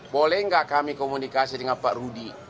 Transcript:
boleh nggak kami komunikasi dengan pak rudi